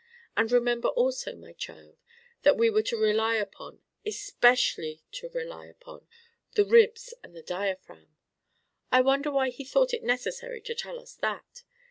And remember also, my child, that we were to rely upon especially to rely upon the ribs and the diaphragm! I wonder why he thought it necessary to tell us that!